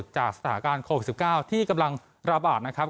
จากสถานการณ์โควิด๑๙ที่กำลังระบาดนะครับ